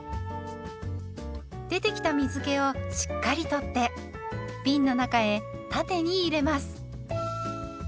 出てきた水けをしっかり取ってびんの中へ縦に入れます。